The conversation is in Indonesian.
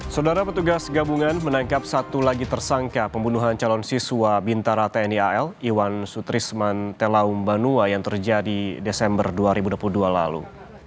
saudara petugas gabungan menangkap satu lagi tersangka pembunuhan calon siswa bintara tni al iwan sutrisman telaumbanuwa yang terjadi desember dua ribu dua puluh dua lalu